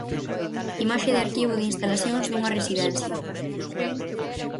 Imaxe de arquivo de instalacións dunha residencia.